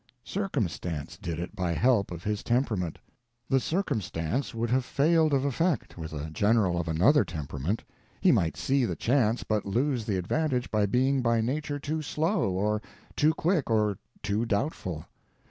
Circumstance did it by help of his temperament. The circumstance would have failed of effect with a general of another temperament: he might see the chance, but lose the advantage by being by nature too slow or too quick or too doubtful.